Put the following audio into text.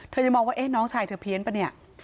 เธอยังมองว่าน้องชายเธอเพี้ยนปะเนี่ย